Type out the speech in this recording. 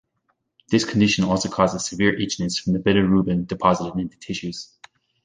This condition also causes severe itchiness from the bilirubin deposited in the tissues.